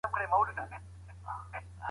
افغانستان کې رواني ستونزې ډېرې شوې دي.